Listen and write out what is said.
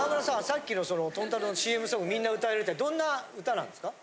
さっきの豚太郎のＣＭソングみんな歌えるってどんな歌なんですか？